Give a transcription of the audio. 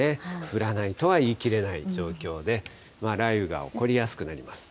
降らないとは言いきれない状況で、雷雨が起こりやすくなります。